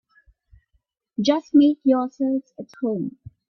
Just make yourselves at home.